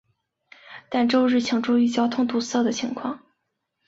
但周日请注意交通堵塞情况。